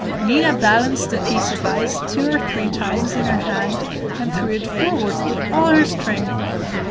Nina balanced the piece of ice two or three times in her hand, and threw it forward with all her strength.